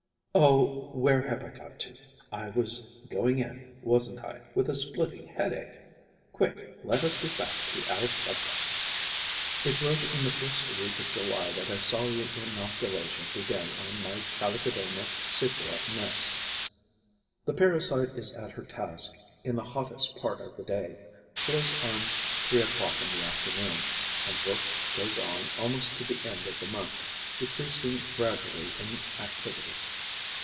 oh, where have I got to? I was going in, wasn't I, with a splitting headache? Quick, let us get back to our subject! It was in the first week of July that I saw the inoculation begin on my Chalicodoma sicula nests. The parasite is at her task in the hottest part of the day, close on three o'clock in the afternoon; and work goes on almost to the end of the month, decreasing gradually in activity.